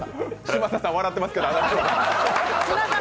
嶋佐さん、笑ってますけど？